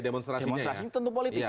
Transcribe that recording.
demonstrasinya tentu politik